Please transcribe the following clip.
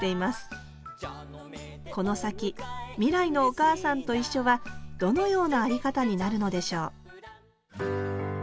この先未来の「おかあさんといっしょ」はどのような在り方になるのでしょう